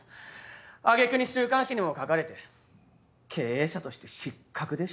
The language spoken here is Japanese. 挙げ句に週刊誌にも書かれて経営者として失格でしょう。